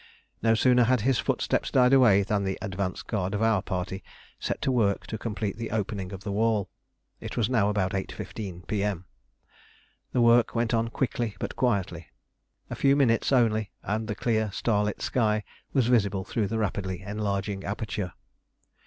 No sooner had his footsteps died away than the advance guard of our party set to work to complete the opening of the wall. It was now about 8.15 P.M. The work went on quickly but quietly. A few minutes only and the clear starlit sky was visible through the rapidly enlarging aperture.